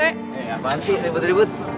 eh ngapain sih ribut ribut